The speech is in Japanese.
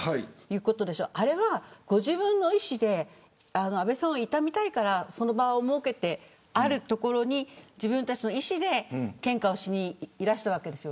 あれはご自分の意思で安倍さんを悼みたいからその場を設けて、ある所に自分たちの意思で献花をしにいらしたわけです。